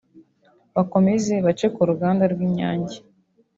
bakomeze bace ku ruganda rw’Inyange